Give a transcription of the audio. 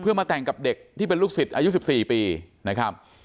เพื่อมาแต่งกับเด็กที่เป็นลูกศิษย์อายุ๑๔ปีนะครับ